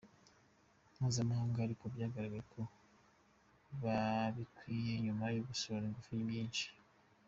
mpuzamahanga, ariko byagaragaye ko babikwiye nyuma yo gushora ingufu nyinshi.